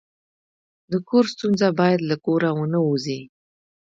د کور ستونزه باید له کوره ونه وځي.